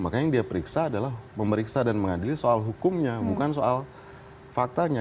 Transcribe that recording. makanya yang dia periksa adalah memeriksa dan mengadili soal hukumnya bukan soal faktanya